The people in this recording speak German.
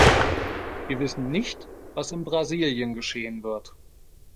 Wir wissen nicht, was in Brasilien geschehen wird.